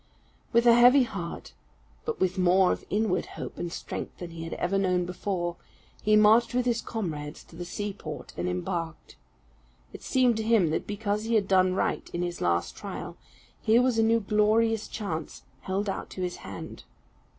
With a heavy heart, but with more of inward hope and strength than he had ever known before, he marched with his comrades to the seaport and embarked. It seemed to him that because he had done right in his last trial, here was a new glorious chance held out to his hand.